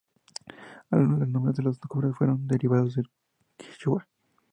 Algunos de los nombres de las cumbres fueron derivados del quichua.